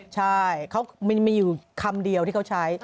ใช่เขามีอยู่คำเดียวที่เขาใช้